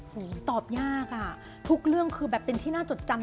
ตอบยากอ่ะทุกเรื่องคือแบบเป็นที่น่าจดจำ